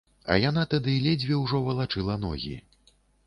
А яна тады ледзьве ўжо валачыла ногі.